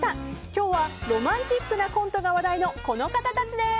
今日はロマンティックなコントが話題のこの方たちです！